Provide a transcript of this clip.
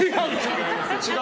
違う！